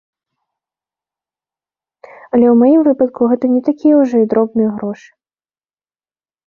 Але ў маім выпадку гэта не такія ўжо і дробныя грошы.